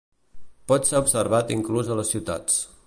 Pot ser observat inclús a les ciutats.